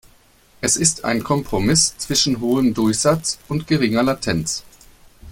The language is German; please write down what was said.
Es ist ein Kompromiss zwischen hohem Durchsatz und geringer Latenz.